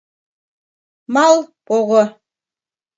Мал — пого.